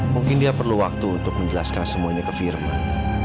mungkin dia perlu waktu untuk menjelaskan semuanya ke firman